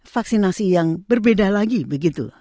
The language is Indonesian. vaksinasi yang berbeda lagi begitu